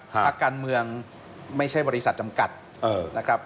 พักการเมืองไม่ใช่บริษัทจำกัดนะครับ